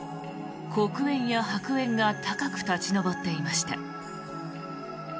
黒煙や白煙が高く立ち上っていました。